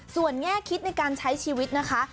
ส่วนแง่คิดในการใช้ชีวิตนะคะ